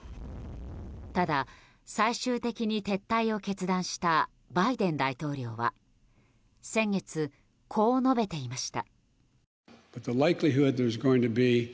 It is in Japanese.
ただ、最終的に撤退を決断したバイデン大統領は先月、こう述べていました。